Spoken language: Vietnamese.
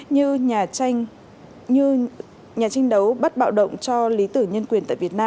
như nhà tranh đấu bắt bạo động cho lý tưởng nhân quyền